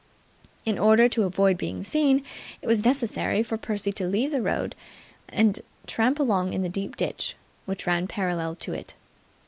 In order to avoid being seen, it was necessary for Percy to leave the road and tramp along in the deep ditch which ran parallel to it.